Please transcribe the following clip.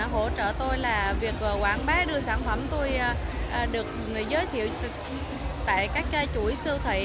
hỗ trợ tôi là việc quảng bá đưa sản phẩm tôi được giới thiệu tại các chuỗi siêu thị